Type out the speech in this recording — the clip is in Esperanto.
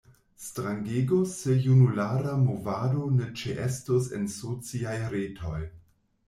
Strangegus se junulara movado ne ĉeestus en sociaj retoj.